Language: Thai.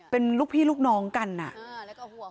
เป็นลูกพี่ลูกน้องกันอ่ะ